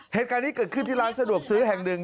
เหตุการณ์นี้เกิดขึ้นที่ร้านสะดวกซื้อแห่งหนึ่ง